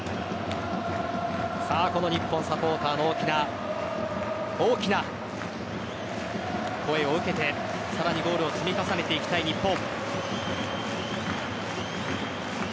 この日本サポーターの大きな声を受けてさらにゴールを積み重ねていきたい日本。